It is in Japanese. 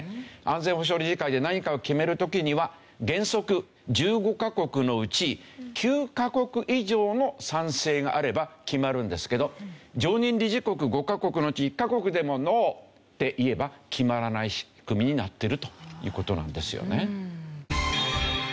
安全保障理事会で何かを決める時には原則１５カ国のうち９カ国以上の賛成があれば決まるんですけど常任理事国５カ国のうち１カ国でもノーって言えば決まらない仕組みになってるという事なんですよね。